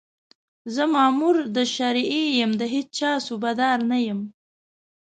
زه مامور د شرعي یم، د هېچا صوبه دار نه یم